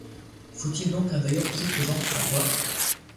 Faut-il donc un veilleur toujours présent, sans quoi